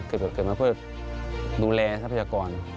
เกิดมาเพื่อดูแลทรัพยากร